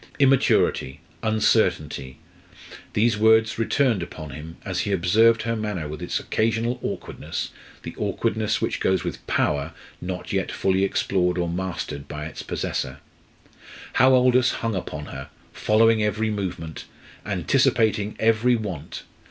Immaturity uncertainty these words returned upon him as he observed her manner with its occasional awkwardness, the awkwardness which goes with power not yet fully explored or mastered by its possessor. How Aldous hung upon her, following every movement, anticipating every want!